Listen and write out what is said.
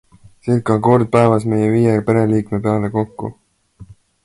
Ca kord päevas meie viie pereliikme peale kokku.